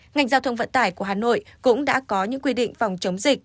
ngành giao thông vận tải của hà nội cũng đã có những quy định phòng chống dịch